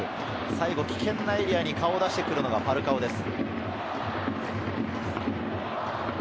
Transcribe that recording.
最後、危険なエリアに顔を出してくるのがファルカオです。